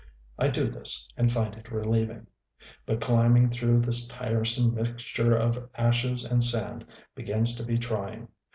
I do this, and find it relieving. But climbing through this tiresome mixture of ashes and sand begins to be trying.